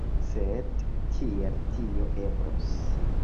Sed kiel tio eblos?